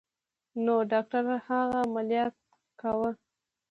نو ډاکتر هغه عمليات کا.